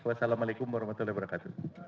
wassalamu'alaikum warahmatullahi wabarakatuh